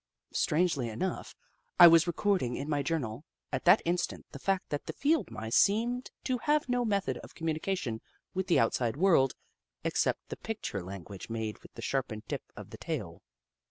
Strangely enough, I was recording in my journal at that instant the fact that the Field Mice seemed to have no method of commun ication with the outside world, except the pic ture language made with the sharpened tip of the tail.